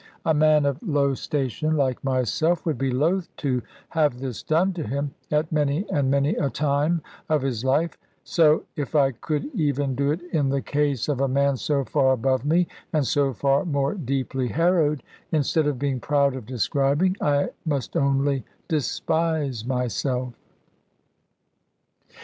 A man of low station, like myself, would be loath to have this done to him, at many and many a time of his life; so (if I could even do it in the case of a man so far above me, and so far more deeply harrowed) instead of being proud of describing, I must only despise myself.